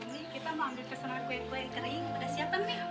umi kita mau ambil personal kue kue yang kering udah siapin mi